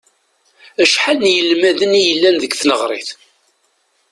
Acḥal n yinelmaden i yellan deg tneɣrit?